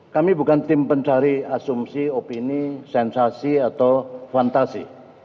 kami bukan tim pencari asumsi opini sensasi atau fantasi